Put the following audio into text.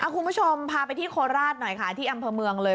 คุณผู้ชมพาไปที่โคราชหน่อยค่ะที่อำเภอเมืองเลย